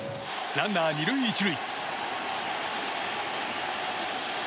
ランナー２塁１塁。